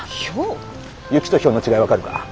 雪とひょうの違い分かるか？